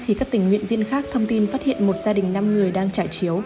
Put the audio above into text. thì các tình nguyện viên khác thông tin phát hiện một gia đình năm người đang trải chiếu